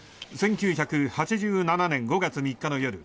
１９８７年５月３日の夜